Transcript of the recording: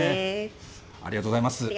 ありがとうございます。